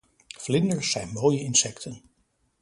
Vlinders zijn mooie insecten.